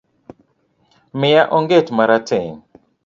Miya onget marateng